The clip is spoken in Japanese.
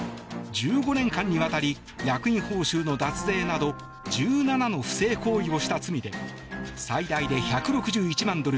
１５年間にわたり役員報酬の脱税など１７の不正行為をした罪で最大で１６１万ドル